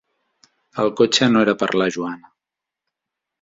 El cotxe no era per a la Joana.